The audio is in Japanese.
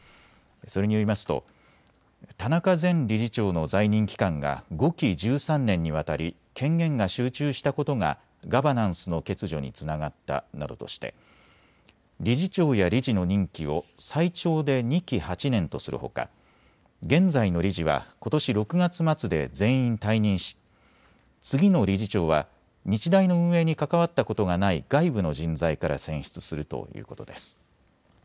それによりますと田中前理事長の在任期間が５期１３年にわたり権限が集中したことがガバナンスの欠如につながったなどとして理事長や理事の任期を最長で２期８年とするほか現在の理事はことし６月末で全員退任し次の理事長は日大の運営に関わったことがない外部の人材から選出するということです。